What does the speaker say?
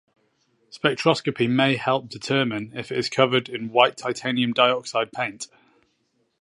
Spectroscopy may help determine if it is covered in white titanium dioxide paint.